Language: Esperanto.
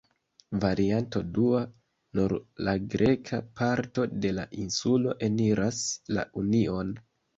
Varianto dua: nur la greka parto de la insulo eniras la Union.